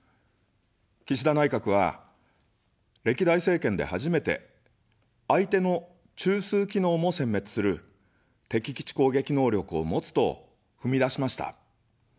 岸田内閣は、歴代政権で初めて、相手の中枢機能もせん滅する敵基地攻撃能力を持つと踏み出しました。